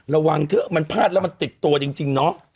ระวังเถอะมันพลาดแล้วมันติดตัวจริงเนาะ